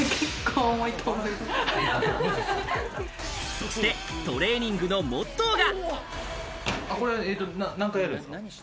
そして、トレーニングのモットーが。